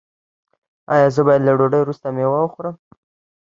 ایا زه باید له ډوډۍ وروسته میوه وخورم؟